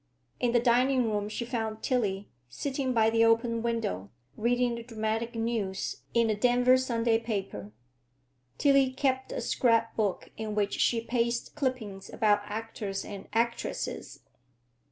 In the dining room she found Tillie, sitting by the open window, reading the dramatic news in a Denver Sunday paper. Tillie kept a scrapbook in which she pasted clippings about actors and actresses.